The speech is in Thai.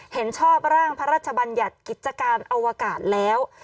เห็นชอบร่างพระราชบัญญัติกิจการอวกาศแล้ว